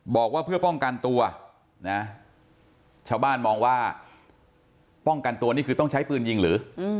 บอกว่าเพื่อป้องกันตัวนะชาวบ้านมองว่าป้องกันตัวนี่คือต้องใช้ปืนยิงหรือ